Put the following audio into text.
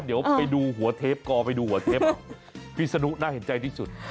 เดี๋ยวไปดูหัวเทปกอไปดูหัวเทปพิศนุน่าเห็นใจที่สุด